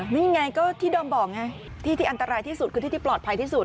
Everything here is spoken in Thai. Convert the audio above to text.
นี่ไงก็ที่ดอมบอกไงที่ที่อันตรายที่สุดคือที่ที่ปลอดภัยที่สุด